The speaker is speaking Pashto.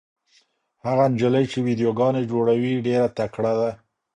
هغه نجلۍ چې ویډیوګانې جوړوي ډېره تکړه ده.